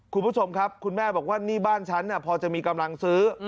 คุณผู้ชมครับคุณแม่บอกว่านี่บ้านฉันพอจะมีกำลังซื้อ